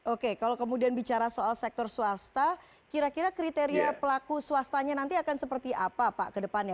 oke kalau kemudian bicara soal sektor swasta kira kira kriteria pelaku swastanya nanti akan seperti apa pak ke depannya